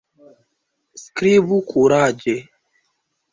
Skribu kuraĝe!